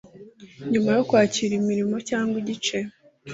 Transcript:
Nyuma Yo Kwakira Imirimo Cyangwa Igice